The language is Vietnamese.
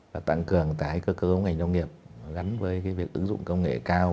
và tăng cường cái cơ cấu ngành nông nghiệp gắn với cái việc ứng dụng công nghệ cao